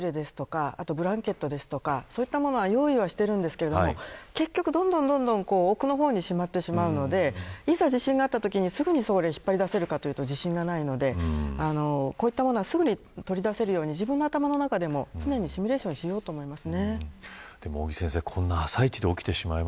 ペットボトルの水とか簡易トイレとかブランケットとかそういったものは用意していますが結局どんどん奥の方に閉まってしまうのでいざ地震があったときにすぐに引っ張り出せるかというと自信がないのでこういった物はすぐに取り出せるように頭の中で常にシミュレーションしようと思います。